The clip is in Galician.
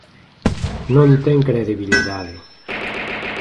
Non ten credibilidade.